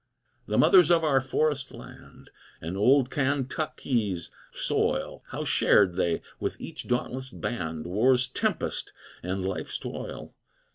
The Mothers of our Forest Land! On old Kan tuc kee's soil, How shared they, with each dauntless band, War's tempest and Life's toil!